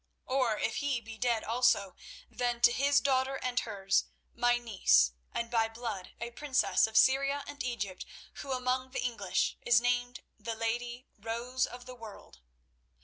Or if he be dead also, then to his daughter and hers, my niece, and by blood a princess of Syria and Egypt, who among the English is named the lady Rose of the World.